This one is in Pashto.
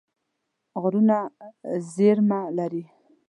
غرونه زیرمه لري.